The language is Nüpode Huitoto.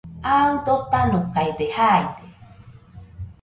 Aɨ dotanokaide jaide